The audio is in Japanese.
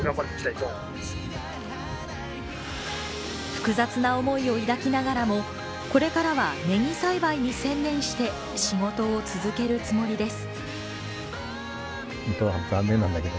複雑な思いを抱きながらも、これからは、ねぎ栽培に専念して仕事を続けるつもりです。